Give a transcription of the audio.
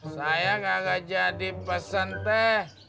saya kagak jadi pesan teh